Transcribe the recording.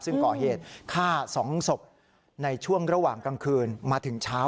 ซึ่งก่อเหตุฆ่า๒ศพในช่วงระหว่างกลางคืนมาถึงเช้า